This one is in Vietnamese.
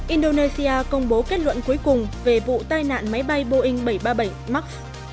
indonesia công bố kết luận cuối cùng về vụ tai nạn máy bay boeing bảy trăm ba mươi bảy max